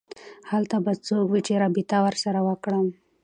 هلته به څوک وي چې رابطه ورسره وکړم